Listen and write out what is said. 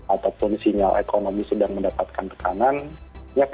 ataupun sinyal ekonomi sedang mendapatkan tekanan